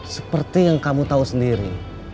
seperti yang kamu tahu sendiri